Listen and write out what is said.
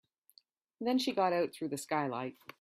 Then she got out through the skylight.